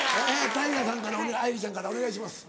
平さんから愛梨ちゃんからお願いします。